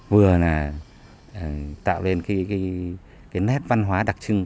vừa là tạo lên cái nét văn hóa đặc trưng